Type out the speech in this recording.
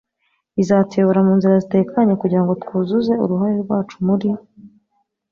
izatuyobora mu nzira zitekanye kugira ngo twuzuze uruhare rwacu muri